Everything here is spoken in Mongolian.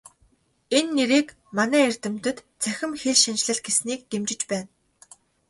Энэ нэрийг манай эрдэмтэд "Цахим хэлшинжлэл" гэснийг дэмжиж байна.